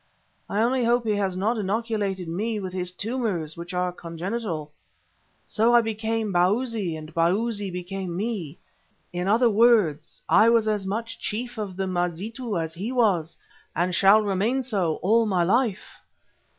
I only hope he has not inoculated me with his tumours, which are congenital. So I became Bausi and Bausi became me. In other words, I was as much chief of the Mazitu as he was, and shall remain so all my life."